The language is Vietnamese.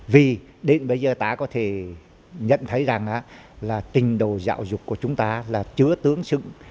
vì đến bây giờ ta có thể nhận thấy rằng là trình độ giáo dục của chúng ta là chưa tương xứng